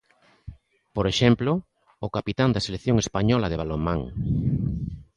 Por exemplo, o capitán da selección española de balonmán.